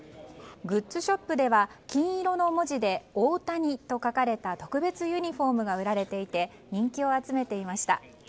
グッズショップでは金色の文字で大谷と書かれた特別ユニホームが売られていて人気を集めていました。